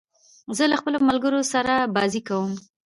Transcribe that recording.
زه له خپلو ملګرو سره بازۍ کوم.